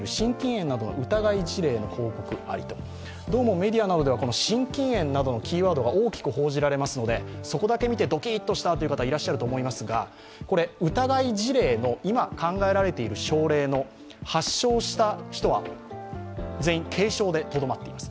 メディアなどでは心筋炎のワードが大きく報じられますのでそこだけ見て、ドキッとした方、いらっしゃるかと思いますが疑い事例の今考えられている症例の、発症した人は全員、軽症でとどまっています。